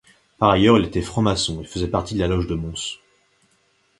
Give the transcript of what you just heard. Par ailleurs, il était franc-maçon et faisait partie de la loge de Mons.